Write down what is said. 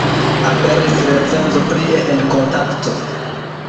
Aperis recenzo prie en Kontakto.